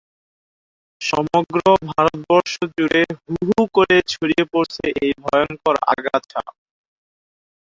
সমগ্র ভারতবর্ষ জুড়ে হু-হু করে ছড়িয়ে পড়ছে এই ভয়ংকর আগাছা।